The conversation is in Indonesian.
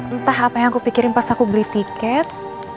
entah apa yang aku pikirin pas aku beli tiket